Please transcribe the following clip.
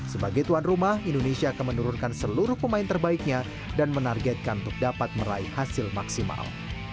sebagai tuan rumah indonesia akan menurunkan seluruh pemain terbaiknya dan menargetkan untuk dapat meraih hasil maksimal